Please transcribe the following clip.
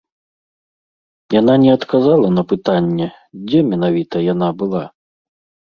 Яна не адказала на пытанне, дзе менавіта яна была.